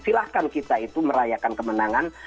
silahkan kita itu merayakan kemenangan